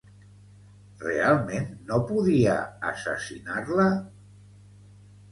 Realment no podia assassinar-la?